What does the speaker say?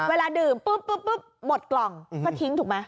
เวลาดื่มปุ๊บหมดกล่องก็ทิ้งถูกไหม